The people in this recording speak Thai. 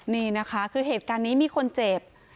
นี่นะคะคือเหตุการณ์นี้มีคนเจ็บ